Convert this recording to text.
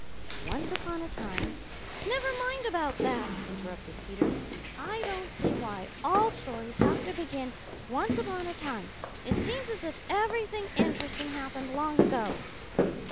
"Once upon a time " "Never mind about that," interrupted Peter. "I don't see why all stories have to begin 'Once upon a time.' It seems as if everything interesting happened long ago."